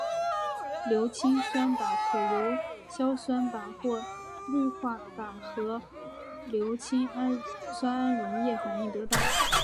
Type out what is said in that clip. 硫氰酸钯可由硝酸钯或氯化钯和硫氰酸铵溶液反应得到。